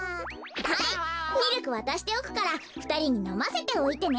はいミルクわたしておくからふたりにのませておいてね。